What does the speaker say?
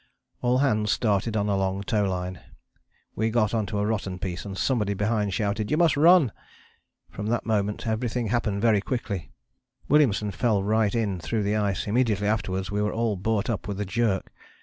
All hands started on a long tow line. We got on to the rotten piece, and somebody behind shouted 'You must run.' From that moment everything happened very quickly. Williamson fell right in through the ice; immediately afterwards we were all brought up with a jerk.